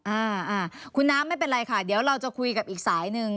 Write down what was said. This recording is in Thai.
อ่าอ่าคุณน้ำไม่เป็นไรค่ะเดี๋ยวเราจะคุยกับอีกสายหนึ่ง